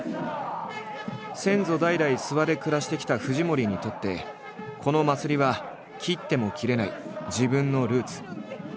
先祖代々諏訪で暮らしてきた藤森にとってこの祭りは切っても切れない自分のルーツ。